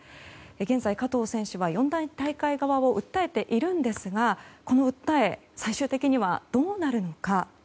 現在、加藤選手は四大大会側を訴えてはいるんですがこの訴え、最終的にはどうなるのか。